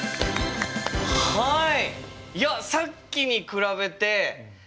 はい！